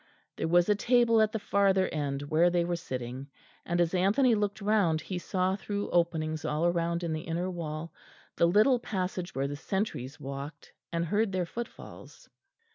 There was a table at the farther end where they were sitting, and as Anthony looked round he saw through openings all round in the inner wall the little passage where the sentries walked, and heard their footfalls.